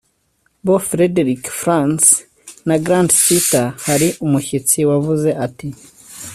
bo Frederick Franz na Grant Suiter Hari umushyitsi wavuze ati